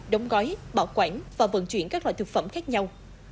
đóng gói bảo quản và vận chuyển các loại thực phẩm khác nhau